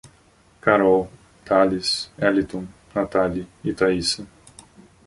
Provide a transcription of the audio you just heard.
Carol, Thales, Eliton, Natali e Taísa